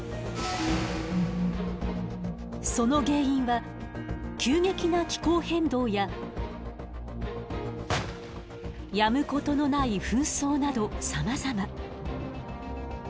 その原因は急激な気候変動ややむことのない紛争などさまざま。